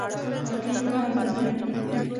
پارکینګ هلته دی